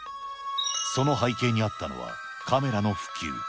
その背景にあったのはカメラの普及。